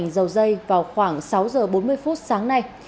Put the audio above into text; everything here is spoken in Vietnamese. dầu dây vào khoảng sáu giờ bốn mươi phút sáng nay